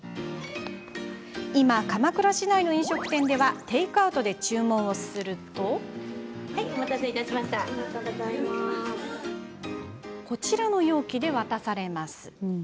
今、鎌倉市内の飲食店ではテイクアウトで注文をするとこちらの容器で渡されます。